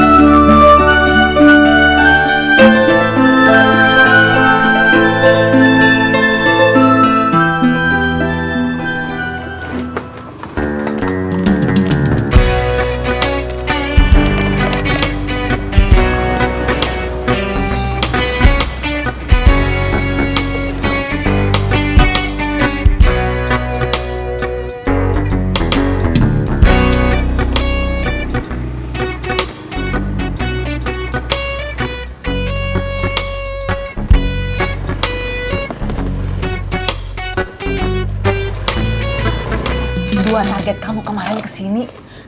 sampai jumpa di video selanjutnya